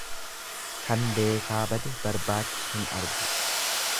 Kan beekaa bade barbaachi hin argu.